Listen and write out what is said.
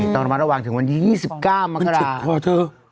ต้องระวังถึงวันที่๒๙มกราศ